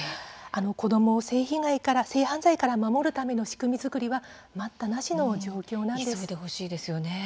子どもを性犯罪から守るための仕組み作りは待ったなしの状況です。